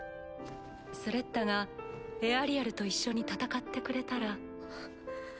スレッタがエアリアルと一緒に戦ってくれたら。